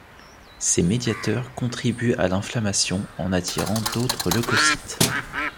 Ces médiateurs contribuent à l'inflammation en attirant d'autres leucocytes.